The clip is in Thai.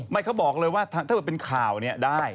ไม่เขาบอกเลยว่าถ้าเกิดเป็นข่าวเนี่ยได้